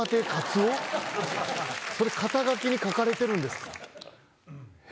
それ肩書に書かれてるんですか？